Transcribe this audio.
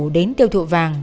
đến tiêu thụ vàng